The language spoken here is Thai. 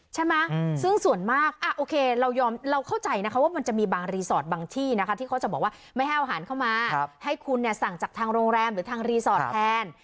ใช่ไหมซึ่งส่วนมากโอเคเรายอมเราเข้าใจนะคะว่ามันจะมีบางรีสอร์ทบางที่นะคะที่เขาจะบอกว่าไม่ให้เอาอาหารเข้ามาให้คุณเนี่ยสั่งจากทางโรงแรมหรือทางรีสอร์ทแทน